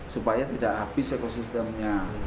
supaya tidak habis ekosistemnya